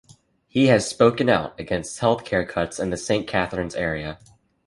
He has spoken out against health-care cuts in the Saint Catharines area.